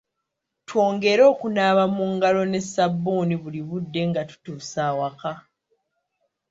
Twongere okunaaba mu ngalo ne sabbuuni buli budde nga tutuuse awaka.